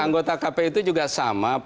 anggota kpu itu juga sama